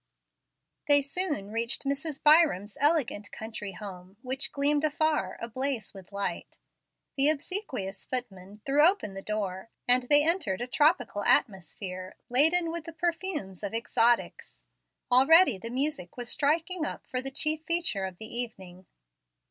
They soon reached Mrs. Byram's elegant country which gleamed afar, ablaze with light. The obsequious footman threw open the door, and they entered a tropical atmosphere laden with the perfumes of exotics. Already the music was striking up for the chief feature of the evening.